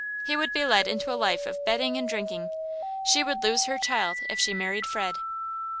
He would be led into a life of betting and drinking; she would lose her child if she married Fred.